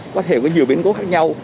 có thể có nhiều biến cố khác nhau